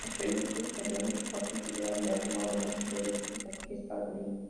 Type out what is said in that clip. Los periódicos italianos reportaron que Lee había tomado una sobredosis de pastillas para dormir.